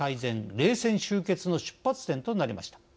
冷戦終結の出発点となりました。